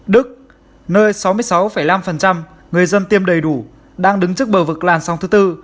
đức nơi sáu mươi sáu năm người dân tiêm đầy đủ đang đứng trước bờ vực làn sóng thứ tư